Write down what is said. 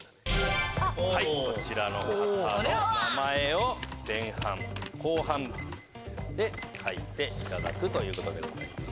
こちらの方の名前を前半後半で書いていただくということです。